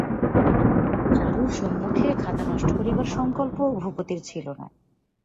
চারুর সম্মুখে খাতা নষ্ট করিবার সংকল্প ভূপতির ছিল না।